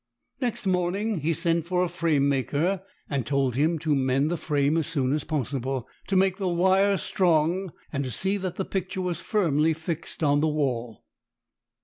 Next morning he sent for a framemaker and told him to mend the frame as soon as possible, to make the wire strong, and to see that the picture was firmly fixed on the wall.